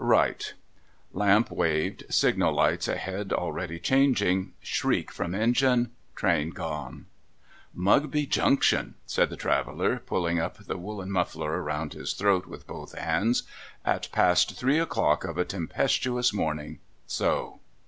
Right:' Lamp waved. Signal lights ahead already changing. Shriek from engine. Train gone. ' Mugl)y Junction !' said the traveller, pulling up the woollen muttler round his throat with hoth hands. ' At past three o'clock of a tempestuous morning ! So